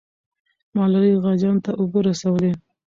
ملالۍ غازیانو ته اوبه رسولې.